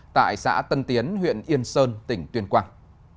tại xã tân tiến huyện yên sơn tỉnh tuyên quang